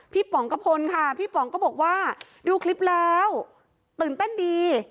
ป๋องกระพลค่ะพี่ป๋องก็บอกว่าดูคลิปแล้วตื่นเต้นดี